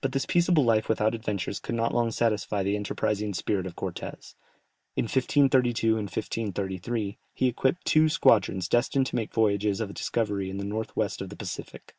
But this peaceable life without adventures could not long satisfy the enterprising spirit of Cortès. In 1532 and 1533, he equipped two squadrons destined to make voyages of discovery in the north west of the Pacific.